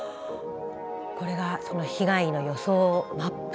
これが被害の予想マップです。